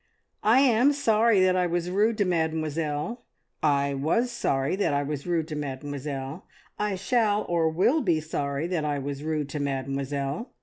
"I am sorry that I was rude to Mademoiselle I was sorry that I was rude to Mademoiselle I shall or will be sorry that I was rude to Mademoiselle."